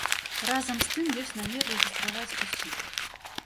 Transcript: Разам з тым ёсць намер рэгістраваць усіх.